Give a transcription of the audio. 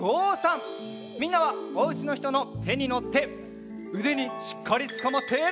みんなはおうちのひとのてにのってうでにしっかりつかまって。